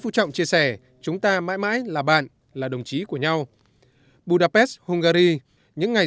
phu trọng chia sẻ chúng ta mãi mãi là bạn là đồng chí của nhau budapest hungary những ngày